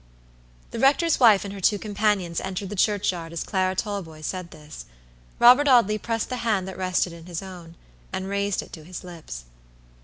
The rector's wife and her two companions entered the churchyard as Clara Talboys said this. Robert Audley pressed the hand that rested in his own, and raised it to his lips.